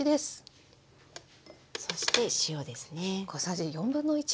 そして塩ですね。